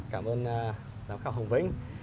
cảm ơn giám khảo hồng vĩnh